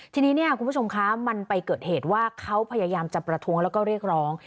ทีนี้เนี่ยคุณผู้ชมคะมันไปเกิดเหตุว่าเขาพยายามจะประท้วงแล้วก็เรียกร้อง